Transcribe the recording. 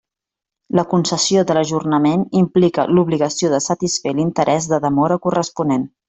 La concessió de l'ajornament implica l'obligació de satisfer l'interès de demora corresponent.